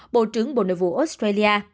bộ trưởng bộ nội vụ australia